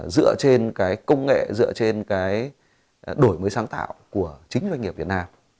dựa trên cái công nghệ dựa trên cái đổi mới sáng tạo của chính doanh nghiệp việt nam